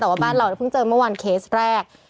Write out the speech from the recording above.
แต่ว่าบ้านเราเพิ่งเจอเมื่อวานเคสแรก